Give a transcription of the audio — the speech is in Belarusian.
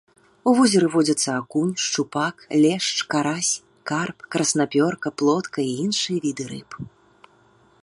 У возеры водзяцца акунь, шчупак, лешч, карась, карп, краснапёрка, плотка і іншыя віды рыб.